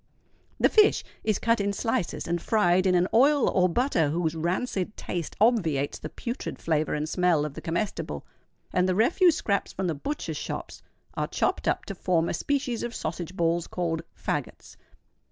The fish is cut in slices and fried in an oil or butter whose rancid taste obviates the putrid flavour and smell of the comestible; and the refuse scraps from the butchers shops are chopped up to form a species of sausage balls called "faggots."